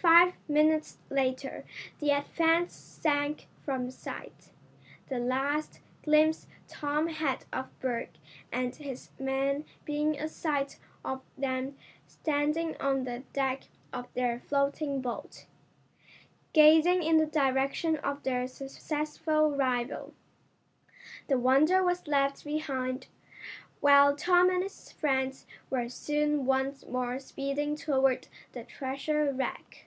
Five minutes later the Advance sank from sight, the last glimpse Tom had of Berg and his men being a sight of them standing on the deck of their floating boat, gazing in the direction of their successful rival. The Wonder was left behind, while Tom and his friends were soon once more speeding toward the treasure wreck.